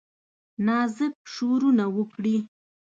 نازک شورونه وکړي